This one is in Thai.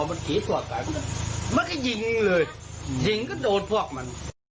มันก็ยิงเลยยิงก็โดนพวกมัน